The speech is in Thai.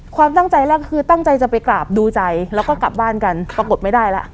ความตั้งใจแรกคือตั้งใจจะไปกราบดูใจแล้วก็กลับบ้านกันปรากฏไม่ได้แล้ว